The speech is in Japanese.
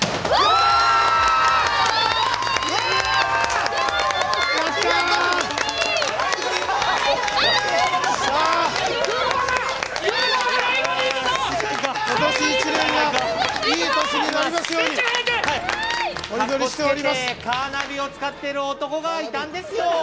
かっこつけてカーナビを使ってる男がいたんですよ。